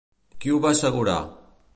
Qui ho va assegurar?